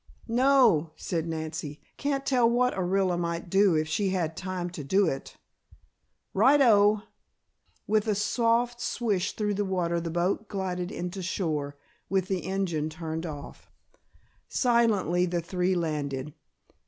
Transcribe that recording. "No," said Nancy. "Can't tell what Orilla might do if she had time to do it." "Right o!" With a soft swish through the water the boat glided into shore, with the engine turned off. Silently the three landed.